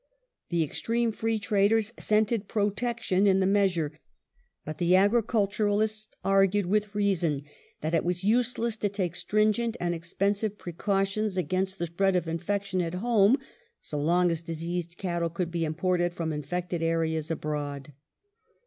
The extreme Free Traders scented " Protection " in the measure, but the agriculturists argued, with reason, that it was useless to take stringent and expensive precautions against the spread of infection at home, so long as diseased cattle could be imported from infected areas abroad.